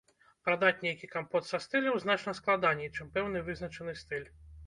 Прадаць нейкі кампот са стыляў значна складаней, чым пэўны вызначаны стыль.